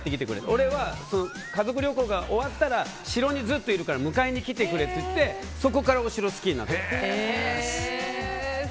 俺は家族旅行が終わったら城にずっといるから迎えに来てくれと言ってそこからお城が好きになって。